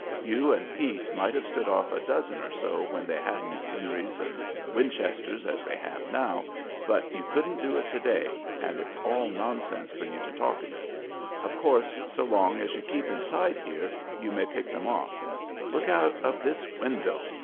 You and Pete might have stood off a dozen or so when they hadn't 'Henrys' and 'Winchesters' as they have now, but you couldn't do it to day, and it's all nonsense for you to talk of it. Of course, so long as you keep inside here you may pick them off, but look out of this window!